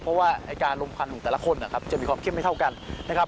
เพราะว่าไอ้การลมควันของแต่ละคนนะครับจะมีความเข้มไม่เท่ากันนะครับ